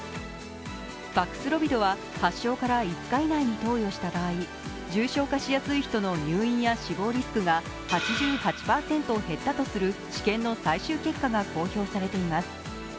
パクスロビドは発症から５日以内に投与した場合、重症化しやすい人の入院や死亡リスクが８８％減ったとする治験の最終結果が公表されています。